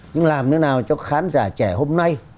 nhưng làm thế nào cho khán giả trẻ hôm nay